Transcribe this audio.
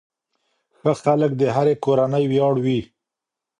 ښه خلک د هرې کورنۍ ویاړ وي.